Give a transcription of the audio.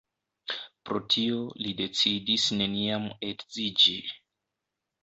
Pro tio, li decidis neniam edziĝi.